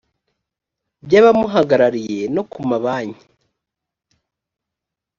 by abamuhagarariye no ku mabanki